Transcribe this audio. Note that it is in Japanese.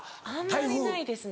あんまりないですね。